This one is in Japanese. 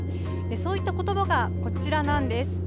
そういったことばが、こちらなんです。